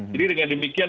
jadi dengan demikian